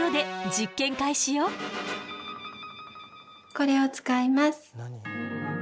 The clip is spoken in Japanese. これを使います。